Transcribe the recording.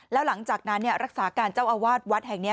แล้วหลังจากนั้นรักษาการเจ้าอาวาสวัดแห่งนี้